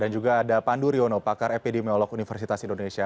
dan juga ada pandu riono pakar epidemiolog universitas indonesia